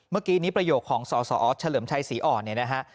เมื่อกี้นี้ประโยคของสอเฉลิมชัยศรีอ่อน